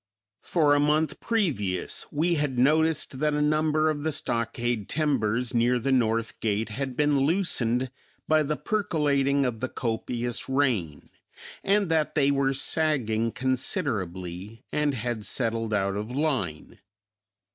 For a month previous we had noticed that a number of the stockade timbers near the north gate had been loosened by the percolating of the copious rain and that they were sagging considerably and had settled out of line.